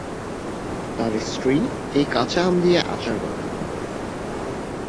তাঁর স্ত্রী এই কাঁচা আম দিয়ে আচার বানান।